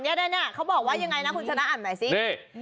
ชางเนี่ยเนี่ยเค้าบอกว่ายังไงนะคุณชนะอ่านใหม่ซิ